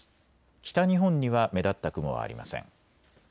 北日本には目立った雲はありません。